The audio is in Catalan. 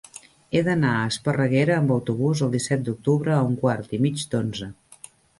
He d'anar a Esparreguera amb autobús el disset d'octubre a un quart i mig d'onze.